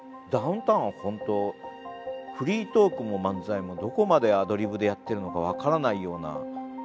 ダウンタウンは本当フリートークも漫才もどこまでアドリブでやってるのか分からないような。